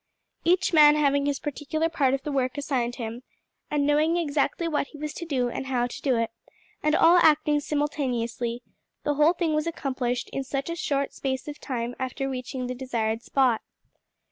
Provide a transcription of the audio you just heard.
Each man having his particular part of the work assigned him, and knowing exactly what he was to do and how to do it, and all acting simultaneously, the whole thing was accomplished in a short space of time after reaching the desired spot.